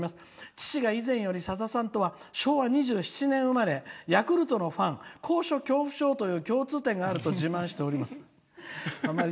父が以前よりさださんとは昭和２７年生まれヤクルトのファン高所恐怖症という共通点があると自慢しております。